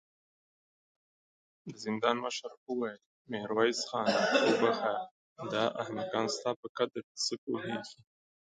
د زندان مشر وويل: ميرويس خانه! وبخښه، دا احمقان ستا په قدر څه پوهېږې.